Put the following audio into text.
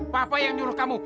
papa yang nyuruh kamu